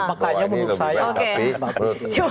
bahwa ini lebih baik